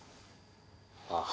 ああ。